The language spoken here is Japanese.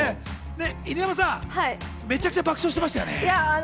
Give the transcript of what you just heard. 犬山さん、めちゃくちゃ爆笑していましたよね？